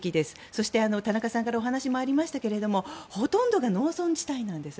そして、田中さんからお話もありましたけれどほとんどが農村地帯なんです。